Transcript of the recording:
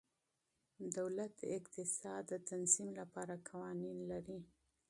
دولت د اقتصاد د تنظیم لپاره قوانین لري.